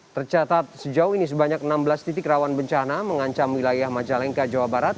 tercatat sejauh ini sebanyak enam belas titik rawan bencana mengancam wilayah majalengka jawa barat